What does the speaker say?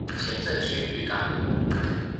前鎮區漁港路